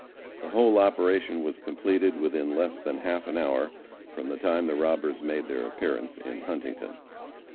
The whole operation was completed within less than half an hour from the time the robbers made their appearance in Huntington.